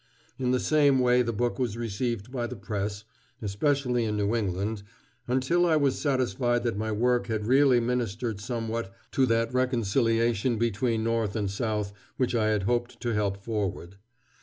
In the same way the book was received by the press, especially in New England, until I was satisfied that my work had really ministered somewhat to that reconciliation between North and South which I had hoped to help forward.